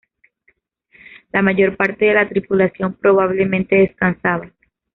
La mayor parte de la tripulación probablemente descansaba.